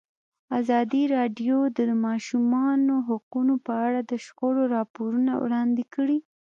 ازادي راډیو د د ماشومانو حقونه په اړه د شخړو راپورونه وړاندې کړي.